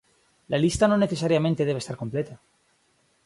La lista no necesariamente debe estar completa.